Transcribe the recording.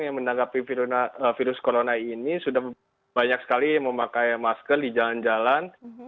yang menanggapi virus corona ini sudah banyak sekali memakai masker di jalan jalan